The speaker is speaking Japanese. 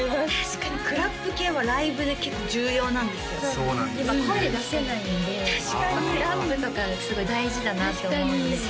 確かにクラップ系はライブで結構重要なんですよそうなんですね今声出せないんでクラップとかがすごい大事だなって思うんです